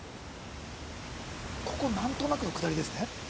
ここなんとなくのくだりですね。